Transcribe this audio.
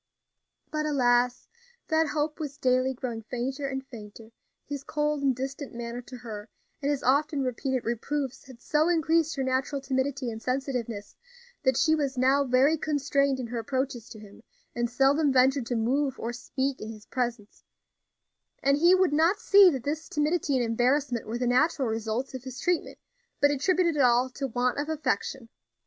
But, alas! that hope was daily growing fainter and fainter; his cold and distant manner to her and his often repeated reproofs had so increased her natural timidity and sensitiveness that she was now very constrained in her approaches to him, and seldom ventured to move or speak in his presence; and he would not see that this timidity and embarrassment were the natural results of his treatment, but attributed it all to want of affection.